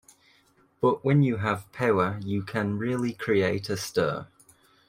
But when you have power you can really create a stir.